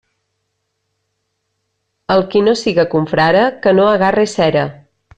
El qui no siga confrare, que no agarre cera.